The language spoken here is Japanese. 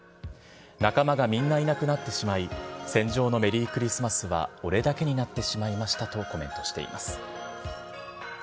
仲間がみんないなくなってしまい、戦場のメリークリスマスは俺だけになってしまいましたと、コメントしています。